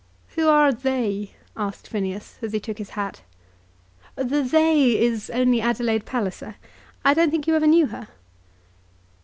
"Who are 'they'?" asked Phineas, as he took his hat. "The 'they' is only Adelaide Palliser. I don't think you ever knew her?"